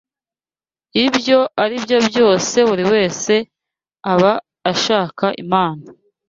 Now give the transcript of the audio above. Ibyo ari byo byose, buri wese aba ashakashaka Imana